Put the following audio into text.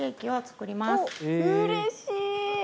うれしい！